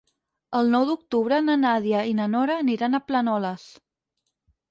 El nou d'octubre na Nàdia i na Nora aniran a Planoles.